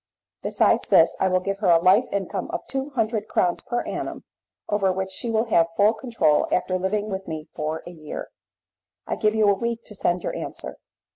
Besides this I will give her a life income of two hundred crowns per annum, over which she will have full control after living with me for a year. I give you a week to send your answer."